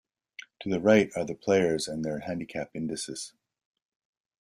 To the right are the players and their handicap indices.